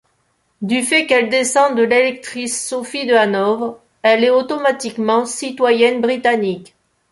Du fait qu'elle descend de l’électrice Sophie de Hanovre, elle est automatiquement citoyenne britannique.